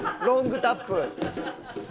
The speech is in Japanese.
ロングタップ。